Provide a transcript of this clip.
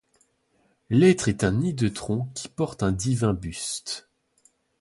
L’être est un hideux tronc qui porte un divin buste.